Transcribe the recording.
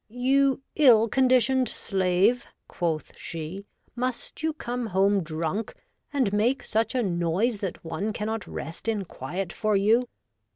" You ill condi tioned slave,'' quoth she, " must you come home drunk and make such a noise that one cannot rest in quiet for you